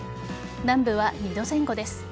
南部は２度前後です。